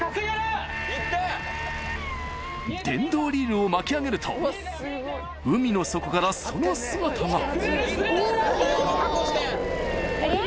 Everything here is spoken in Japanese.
電動リールを巻き上げると海の底からその姿がおぉ！